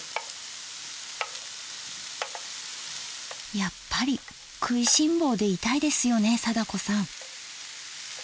やっぱり食いしん坊でいたいですよね貞子さん。